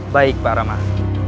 baik pak rahmat